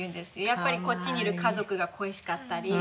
やっぱりこっちにいる家族が恋しかったり。